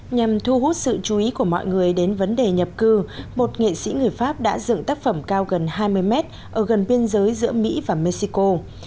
nhằm thu hút sự chú ý của mọi người đến vấn đề nhập cư một nghệ sĩ người pháp đã dựng tác phẩm cao gần hai mươi mét ở gần biên giới giữa mỹ và mexico